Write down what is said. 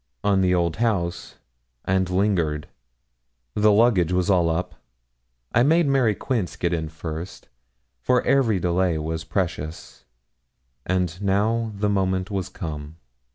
on the old house, and lingered. The luggage was all up. I made Mary Quince get in first, for every delay was precious; and now the moment was come.